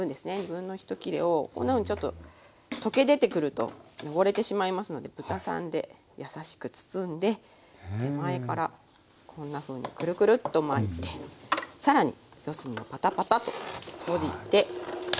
２分のひと切れをこんなふうにちょっと溶け出てくると汚れてしまいますので豚さんでやさしく包んで手前からこんなふうにクルクルッと巻いて更に四隅をパタパタと閉じて巻いていきます。